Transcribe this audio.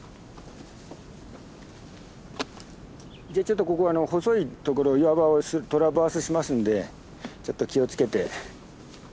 じゃあちょっとここ細いところを岩場をトラバースしますんでちょっと気を付けて。